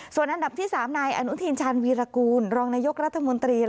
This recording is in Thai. ส่วนอันดับที่๓นายอนุทินชาญวีรกูลรองนายกรัฐมนตรี